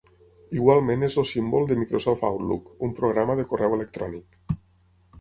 Igualment és el símbol de Microsoft Outlook, un programa de correu electrònic.